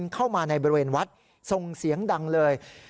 เข้ามาในบริเวณวัดส่งเสียงดังเลย